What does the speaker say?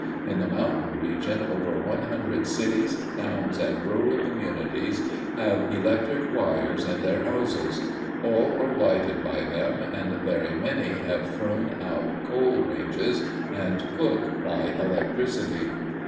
In the mountain region over one hundred cities, towns, and rural communities have electric wires in their houses. All are lighted by them and very many have thrown out coal ranges and cook by electricity.